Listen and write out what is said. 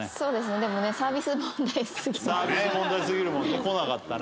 でもねサービス問題すぎるもんね。